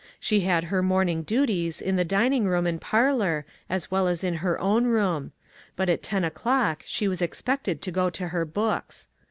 She had her morning duties in the dining room and parlor, as well as in her own room; but at ten o'clock she was expected to go to her books.